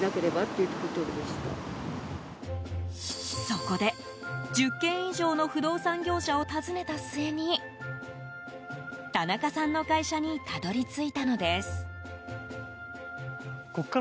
そこで、１０軒以上の不動産業者を訪ねた末に田中さんの会社にたどり着いたのです。